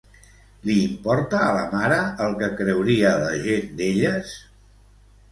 Li importa a la mare el que creuria la gent d'elles?